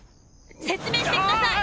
説明してください！